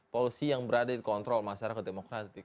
polisi yang berada di kontrol masyarakat demokratik